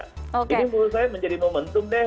ini menurut saya menjadi momentum deh